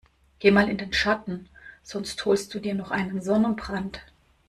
Geh mal in den Schatten, sonst holst du dir noch einen Sonnenbrand.